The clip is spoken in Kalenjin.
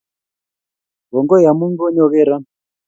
Kongoi amu konyogero